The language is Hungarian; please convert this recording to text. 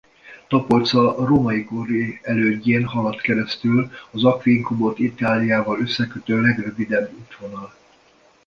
Tapolca római kori elődjén haladt keresztül az Aquincumot Itáliával összekötő legrövidebb útvonal.